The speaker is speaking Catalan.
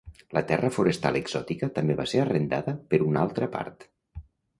La terra forestal exòtica també va ser arrendada per una altra part.